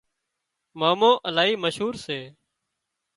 مامو الهي مشهور سي